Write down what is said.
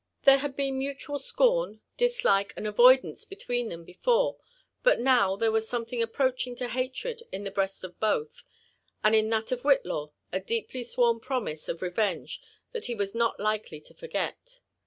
There had been mutual scorn, dislike, and avoidance between them before, but now there was something approaching to hatred in the breast of both ; and in that of Whitlaw, a deeply sworn promise of revenge that be was not very likely to forget.